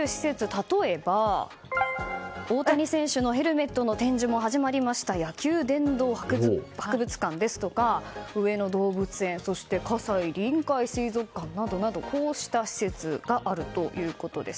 例えば大谷選手のヘルメットの展示も始まりました野球殿堂博物館ですとか上野動物園そして葛西臨海水族館などなどこうした施設があるということです。